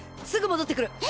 すぐ戻ってくる！